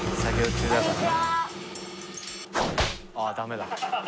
ああダメだ。